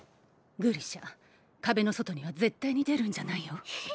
グリシャ壁の外には絶対に出るんじゃないよ？